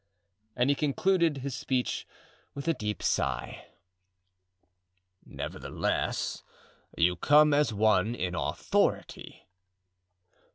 and he concluded his speech with a deep sigh. "Nevertheless, you come as one in authority."